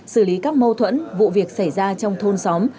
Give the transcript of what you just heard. xử lý các mâu thuẫn vụ việc xảy ra trong thôn xóm